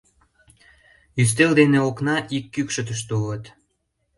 Ӱстел ден окна ик кӱкшытыштӧ улыт.